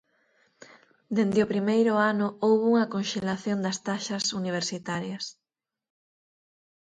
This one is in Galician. Dende o primeiro ano houbo unha conxelación das taxas universitarias.